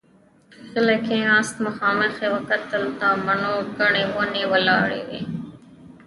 غلی کېناست، مخامخ يې وکتل، د مڼو ګنې ونې ولاړې وې.